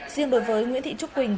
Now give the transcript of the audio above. riêng đối với nguyễn thị trúc quỳnh